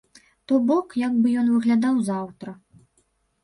То бок, як бы ён выглядаў заўтра.